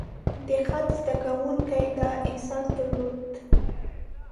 د خط زده کوونکي دا احساس درلود.